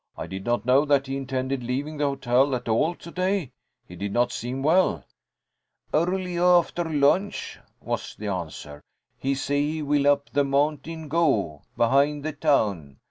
"I did not know that he intended leaving the hotel at all to day. He did not seem well." "Early after lunch," was the answer. "He say he will up the mountain go, behind the town.